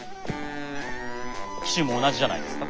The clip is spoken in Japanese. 騎手も同じじゃないですか？